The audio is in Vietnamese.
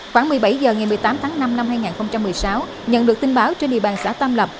khoảng một mươi bảy h ngày một mươi tám tháng năm năm hai nghìn một mươi sáu nhận được tin báo trên địa bàn xã tam lập